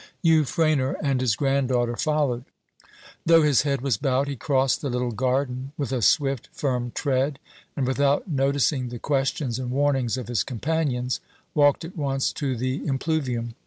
Euphranor and his granddaughter followed. Though his head was bowed, he crossed the little garden with a swift, firm tread, and, without noticing the questions and warnings of his companions, walked at once to the impluvium.